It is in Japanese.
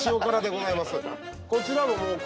こちらも。